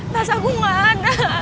tas aku gak ada